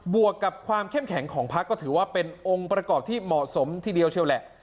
วกกับความเข้มแข็งของพักก็ถือว่าเป็นองค์ประกอบที่เหมาะสมทีเดียวเชียวแหละ